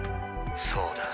そうだ。